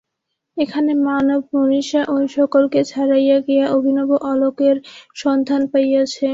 এখানে মানব-মনীষা ঐ-সকলকে ছাড়াইয়া গিয়া অভিনব আলোকের সন্ধান পাইয়াছে।